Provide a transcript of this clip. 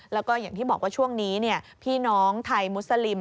แล้วก็อย่างที่บอกว่าช่วงนี้พี่น้องไทยมุสลิม